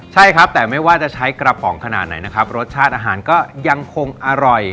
ใช่ครับแต่ไม่ว่าจะใช้กระป๋องขนาดไหนนะครับรสชาติอาหารก็ยังคงอร่อย